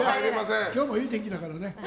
今日もいい天気だからね。